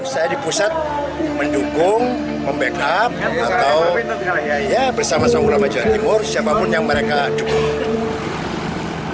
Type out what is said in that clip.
saya di pusat mendukung membackup atau bersama sama jawa timur siapapun yang mereka dukung